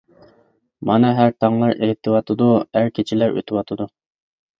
مانا ھەر تاڭلار ئېتىۋاتىدۇ، ھەر كېچىلەر ئۆتۈۋاتىدۇ.